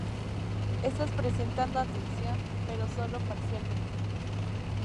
Estás prestando atención, pero solo parcialmente.